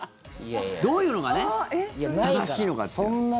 どういうのが正しいのかって。